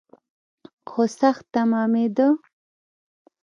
خو سخت ستمېده.